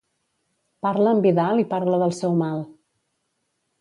Parla en Vidal i parla del seu mal.